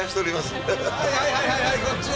はいはいはいはいこっちね。